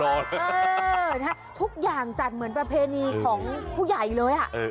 เออนะฮะทุกอย่างจัดเหมือนประเพณีของผู้ใหญ่เลย